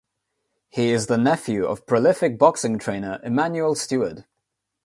He is the nephew of prolific boxing trainer Emanuel Steward.